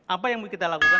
apa yang kita lakukan